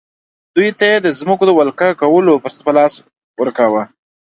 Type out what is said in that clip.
دوی ته یې د ځمکو د ولکه کولو فرصت په لاس ورکاوه.